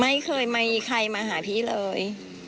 ไม่เคยมีใครมาหาพี่เลย